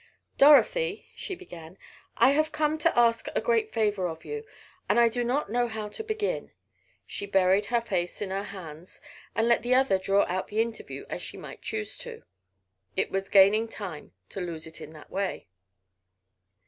"Dorothy," she began, "I have come to ask a great favor of you. And I do not know how to begin." She buried her face in her hands and left the other to draw out the interview as she might choose to. It was gaining time to lose it in that way.